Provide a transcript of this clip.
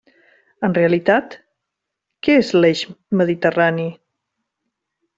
En realitat, ¿què és l'eix mediterrani?